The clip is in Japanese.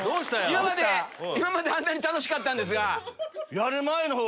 今まであんなに楽しかったんですが。